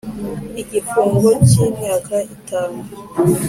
igifungo cy imyaka itanu